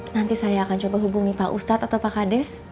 nanti saya akan coba hubungi pak ustadz atau pak kades